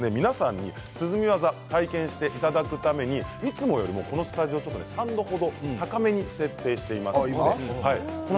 涼み技を体験していただくためにいつもよりスタジオの温度を３度程高めに設定しています。